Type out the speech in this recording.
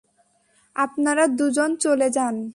আপনারা দুজন চলে যান।